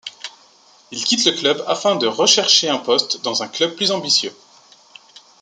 Il quitte le club afin de rechercher un poste dans un club plus ambitieux.